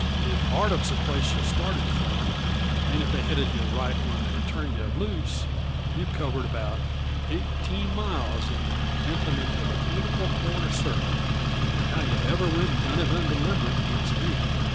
"If Hardup's the place yuh started from, and if they headed yah right when they turned yuh loose, you've covered about eighteen miles and bent 'em into a beautiful quarter circle and how yuh ever went and done it undeliberate gets me.